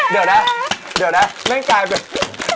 เดี๋ยวนะเดี๋ยวนะไม่กลายเป็น